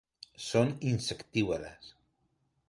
Son Insectívoras.